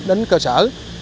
đến cơ sở